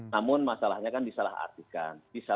namun masalahnya kan disalah artikan